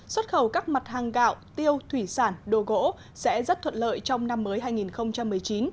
xuất khẩu các mặt hàng gạo tiêu thủy sản đồ gỗ sẽ rất thuận lợi trong năm mới hai nghìn một mươi chín